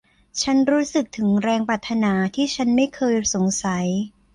ฉันรู้สึกถึงแรงปรารถนาที่ฉันไม่เคยสงสัย